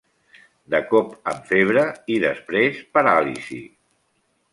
De cop amb febre i després paràlisi.